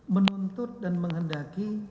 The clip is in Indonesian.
menuntut dan menghendaki